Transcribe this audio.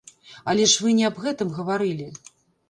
Але вы ж не аб гэтым гаварылі.